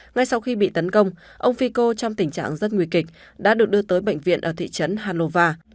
ngay sau khi bị tấn công ông fico trong tình trạng rất nguy kịch đã được đưa tới bệnh viện ở thị trấn hanova